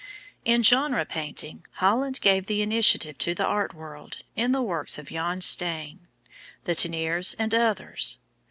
In genre painting, Holland gave the initiative to the art world in the works of Jan Steen, the Teniers, and others.